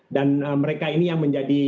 dan mereka ini yang menjadi